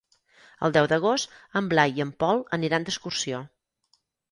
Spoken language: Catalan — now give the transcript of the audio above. El deu d'agost en Blai i en Pol aniran d'excursió.